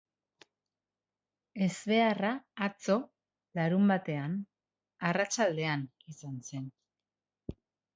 Ezbeharra atzo, larunbatean, arratsaldean izan zen.